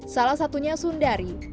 salah satunya sundari